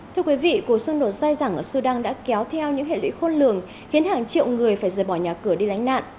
thưa quý vị cuộc xung đột dài dẳng ở sudan đã kéo theo những hệ lụy khôn lường khiến hàng triệu người phải rời bỏ nhà cửa đi lánh nạn